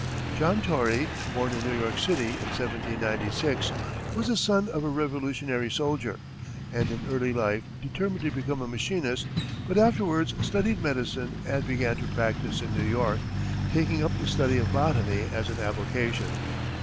John Torrey, born in New York City in 1796, was the son of a Revolutionary soldier, and in early life determined to become a machinist, but afterwards studied medicine and began to practice in New York, taking up the study of botany as an avocation.